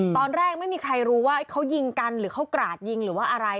ตอนแรกไม่มีใครรู้ว่าเขายิงกันหรือเขากราดยิงหรือว่าอะไร